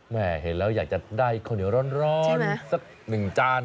เห็นแล้วอยากจะได้ข้าวเหนียวร้อนสักหนึ่งจาน